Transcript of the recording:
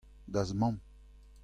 da'z mamm.